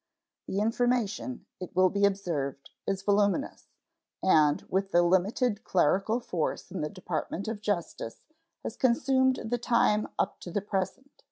The information, it will be observed, is voluminous, and, with the limited clerical force in the Department of Justice, has consumed the time up to the present.